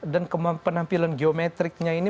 dan penampilan geometriknya ini